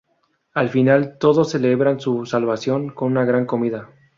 Al final todos celebran su salvación con una gran comida.